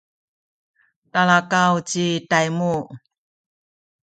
talakaw ci Taymu